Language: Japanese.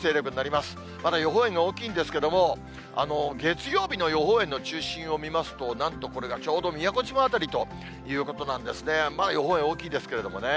まだ予報円が大きいんですけれども、月曜日の予報円の中心を見ますと、なんとこれがちょうど宮古島辺りということなんですね。